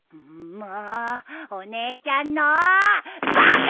もうお姉ちゃんのバカ！